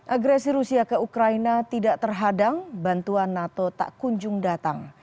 agresi rusia ke ukraina tidak terhadang bantuan nato tak kunjung datang